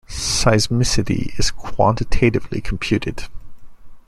Seismicity is quantitatively computed.